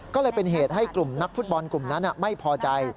ก็เลยเป็นเหตุให้กลุ่มนักฟุตบอลกลุ่มนั้นไม่พอใจ